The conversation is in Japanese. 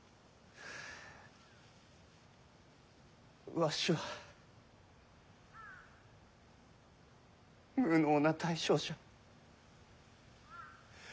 わしは無能な大将じゃ。